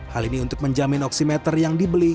hal ini untuk menjamin oksimeter yang dibeli